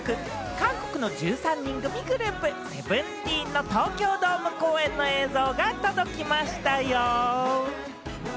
韓国の１３人組ボーイズグループ・ＳＥＶＥＮＴＥＥＮの東京ドーム公演の映像が届きましたよ！